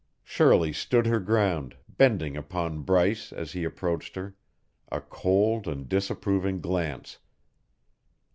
Shirley stood her ground, bending upon Bryce, as he approached her, a cold and disapproving glance.